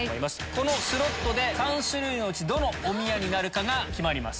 このスロットで３種類のうちどのおみやになるか決まります。